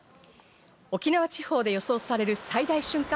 沖縄地方で予想される最大瞬間